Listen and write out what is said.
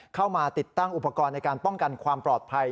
เข้ามาติดตั้งอุปกรณ์ในการป้องกันความปลอดภัย